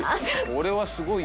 これはすごい特典。